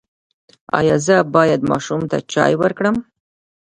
ایا زه باید ماشوم ته چای ورکړم؟